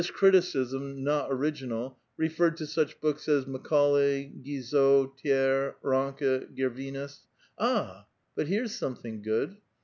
criticism, "not original," referred to such books as aulay, Guizot, Thiers, Ranke, Gervinus. Ah ! but here's something good